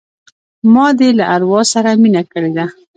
ما دي له اروا سره مینه کړې ده